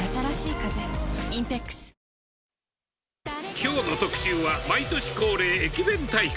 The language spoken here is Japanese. きょうの特集は、毎年恒例、駅弁大会。